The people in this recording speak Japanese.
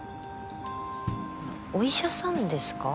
お医者さんですか？